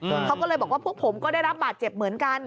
เขาก็เลยบอกว่าพวกผมก็ได้รับบาดเจ็บเหมือนกัน